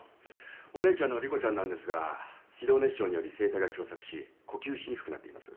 お姉ちゃんの莉子ちゃんなんですが気道熱傷により声帯が狭窄し呼吸しにくくなっています。